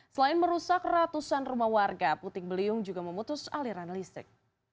selain merusak ratusan rumah warga puting beliung juga memutus aliran listrik